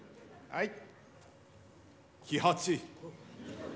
はい。